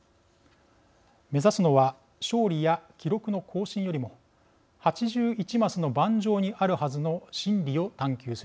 目指すのは勝利や記録の更新よりも８１マスの盤上にあるはずの真理を探究すること。